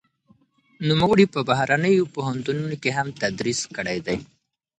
نوموړي په بهرنيو پوهنتونونو کې هم تدريس کړی دی.